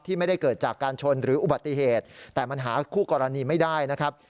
ไม่ได้เกิดจากการชนหรืออุบัติเหตุแต่มันหาคู่กรณีไม่ได้นะครับ